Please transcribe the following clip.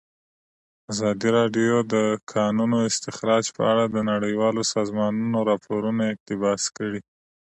ازادي راډیو د د کانونو استخراج په اړه د نړیوالو سازمانونو راپورونه اقتباس کړي.